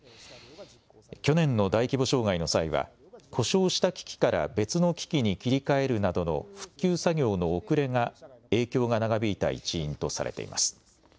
去年の大規模障害の際は故障した機器から別の機器に切り替えるなどの復旧作業の遅れが影響が長引いた一因とされています。